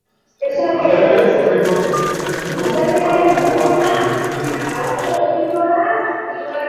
Halere, oraingoz ez dute look hau moda bihurtzea lortu.